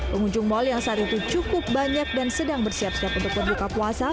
pengunjung mal yang saat itu cukup banyak dan sedang bersiap siap untuk berbuka puasa